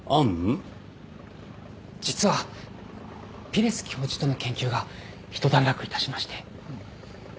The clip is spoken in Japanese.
実はピレス教授との研究が一段落いたしまして。